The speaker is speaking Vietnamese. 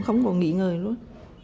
không có nghỉ ngơi luôn